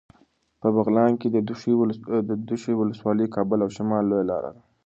په بغلان کې د دوشي ولسوالي د کابل او شمال لویه لاره ده.